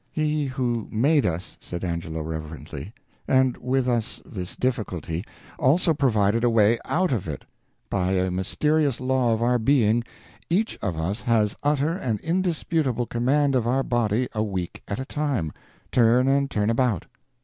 "He who made us," said Angelo reverently, "and with us this difficulty, also provided a way out of it. By a mysterious law of our being, each of us has utter and indisputable command of our body a week at a time, turn and turn about."